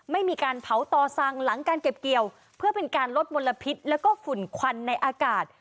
ไม่มีการเผาต่อสั่งหลังการเก็บเกี่ยวเพื่อเป็นการลดมลพิษแล้วก็ฝุ่นควันในอากาศ